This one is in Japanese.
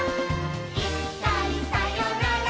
「いっかいさよなら